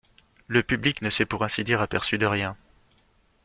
Le public ne s'est pour ainsi dire aperçu de rien.